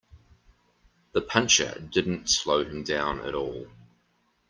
The puncture didn't slow him down at all.